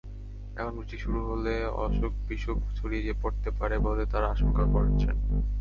এখন বৃষ্টি শুরু হলে অসুখ-বিসুখ ছড়িয়ে পড়তে পারে বলে তাঁরা আশঙ্কা করছেন।